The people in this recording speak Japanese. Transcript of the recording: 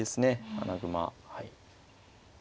穴熊はい。